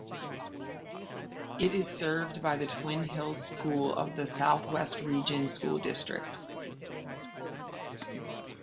It is served by the Twin Hills School of the Southwest Region School District.